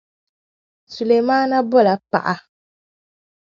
Sulemana bɔla paɣa.